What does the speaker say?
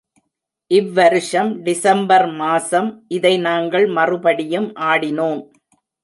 இவ்வருஷம் December மாசம் இதை நாங்கள் மறுபடியும் ஆடினோம்.